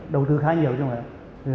đầu tư khá nhiều chứ không ạ